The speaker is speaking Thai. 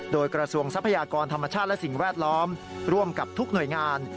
โดยกระทรวงทรัพยากรธรรมชาติและสิ่งแวดล้อมร่วมกับทุกหน่วยงาน